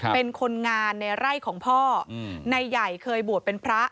เป็นคนงานในไร่ของพ่อนายใหญ่เคยบวชเป็นพระ